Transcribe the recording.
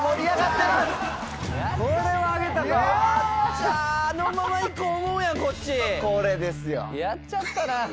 やっちゃったな。